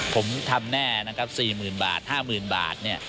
ผมทำแน่นะครับ๔๐๐๐๐บาท๕๐๐๐๐บาท